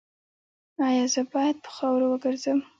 ایا زه باید په خاورو وګرځم؟